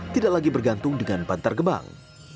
tidak lagi bergantung dengan bantar gebang